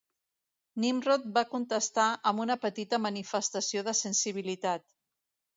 Nimrod va contestar, amb una petita manifestació de sensibilitat.